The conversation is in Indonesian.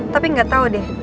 tapi nggak tahu deh